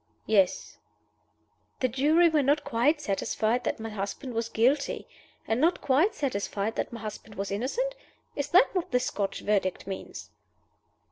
"Yes." "The jury were not quite satisfied that my husband was guilty? and not quite satisfied that my husband was innocent? Is that what the Scotch Verdict means?"